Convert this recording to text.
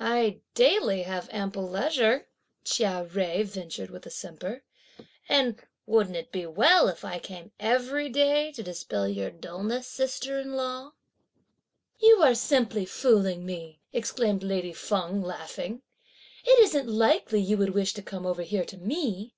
"I daily have ample leisure," Chia Jui ventured with a simper, "and wouldn't it be well if I came every day to dispel your dulness, sister in law?" "You are simply fooling me," exclaimed lady Feng laughing. "It isn't likely you would wish to come over here to me?"